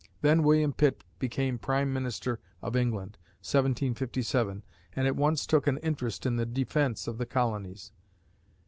Then William Pitt became prime minister of England (1757) and at once took an interest in the defense of the colonies.